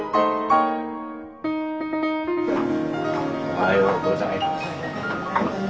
おはようございます。